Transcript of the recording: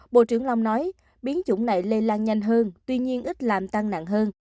bộ trưởng long nói biến chủng này lây lan nhanh hơn tuy nhiên ít làm tăng nặng hơn